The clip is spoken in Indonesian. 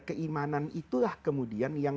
keimanan itulah kemudian yang